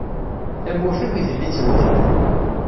Tamurt akk idel-itt wedfel.